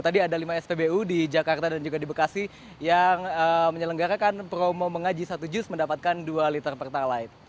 tadi ada lima spbu di jakarta dan juga di bekasi yang menyelenggarakan promo mengaji satu jus mendapatkan dua liter pertalite